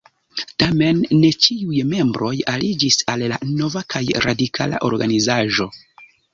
Tamen ne ĉiuj membroj aliĝis al la nova kaj radikala organizaĵo.